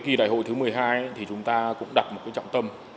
kỳ đại hội thứ một mươi hai thì chúng ta cũng đặt một trọng tâm